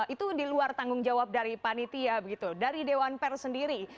itu diluar tanggung jawab dari panitia begitu dari dewan per sendiri